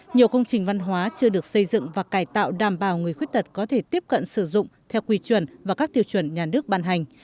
nhiều công trình văn hóa chưa được xây dựng và cải tạo đảm bảo người khuyết tật có thể tiếp cận sử dụng theo quy chuẩn và các tiêu chuẩn nhà nước ban hành